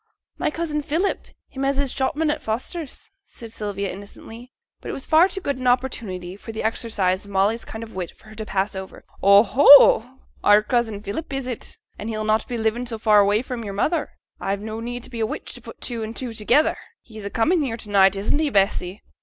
'My cousin Philip, him as is shopman at Foster's,' said Sylvia, innocently. But it was far too good an opportunity for the exercise of Molly's kind of wit for her to pass over. 'Oh, oh! our cousin Philip, is it? and he'll not be living so far away from your mother? I've no need be a witch to put two and two together. He's a coming here to night, isn't he, Bessy?'